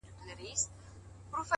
وخت د هوښیارو پانګه زیاتوي؛